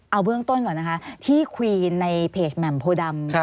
เอาเบื้องต้นก่อนนะคะที่คุยในเพจแหม่มโพดำ